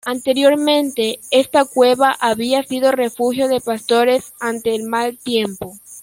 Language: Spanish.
Anteriormente, esta cueva había sido refugio de pastores ante el mal tiempo.